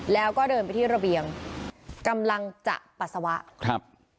แล้วก็เดินไปที่ระเบียงกำลังจะปัสสาวะครับ